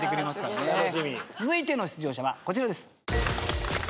続いての出場者はこちらです。